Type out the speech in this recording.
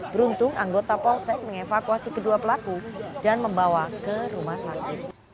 beruntung anggota polsek mengevakuasi kedua pelaku dan membawa ke rumah sakit